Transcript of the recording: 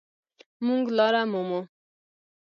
مونږ لاره مومو